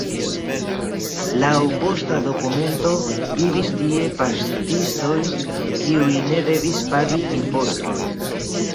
Laŭ posta dokumento vivis tie paŝtistoj, kiuj ne devis pagi imposton.